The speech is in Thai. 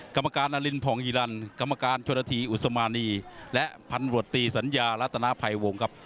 กรรมการนารินผ่องอีรันกรรมการชนธีอุศมานีและพันรวจตีสัญญารัฐนาภัยวงครับ